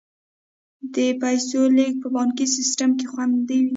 د پیسو لیږد په بانکي سیستم کې خوندي وي.